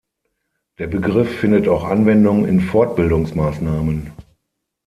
Der Begriff findet auch Anwendung in Fortbildungsmaßnahmen.